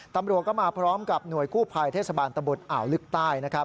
ตำรวจก็มาพร้อมกับหน่วยกู้ภัยเทศบาลตะบดอ่าวลึกใต้นะครับ